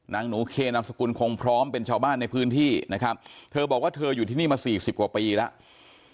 หนูเคนามสกุลคงพร้อมเป็นชาวบ้านในพื้นที่นะครับเธอบอกว่าเธออยู่ที่นี่มาสี่สิบกว่าปีแล้ว